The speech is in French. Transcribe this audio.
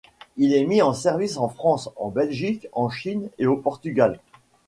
Il est mis en service en France, en Belgique, en Chine et au Portugal.